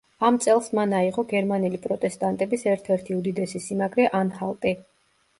ამ წელს მან აიღო გერმანელი პროტესტანტების ერთ-ერთი უდიდესი სიმაგრე ანჰალტი.